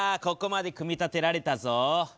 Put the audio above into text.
ここまで組み立てられたぞ。